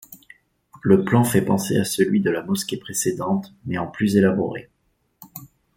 Le plan fait penser à celui de la mosquée précédente, mais en plus élaboré.